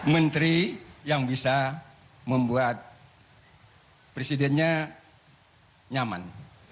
menteri yang bisa membuat presidennya nyaman